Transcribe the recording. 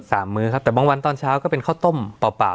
มื้อครับแต่บางวันตอนเช้าก็เป็นข้าวต้มเปล่าเปล่า